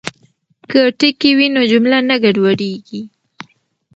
که ټکي وي نو جمله نه ګډوډیږي.